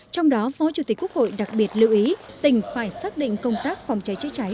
trong đó phó chủ tịch quốc hội đặc biệt lưu ý tỉnh phải xác định công tác phòng cháy chữa cháy